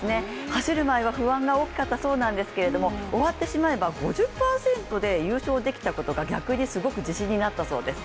走る前は不安が大きかったそうなんですけど終わってしまえば５０％で優勝できたことが逆にすごく自信になったそうです。